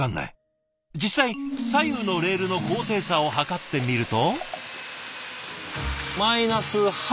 実際左右のレールの高低差を測ってみると。